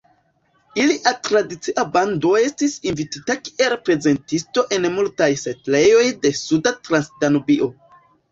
Ilia "tradicia bando" estis invitita kiel prezentisto en multaj setlejoj de Suda Transdanubio.